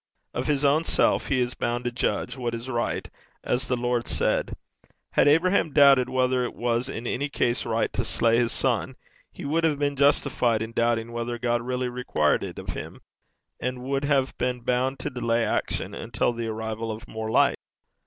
Of his own self he is bound to judge what is right, as the Lord said. Had Abraham doubted whether it was in any case right to slay his son, he would have been justified in doubting whether God really required it of him, and would have been bound to delay action until the arrival of more light.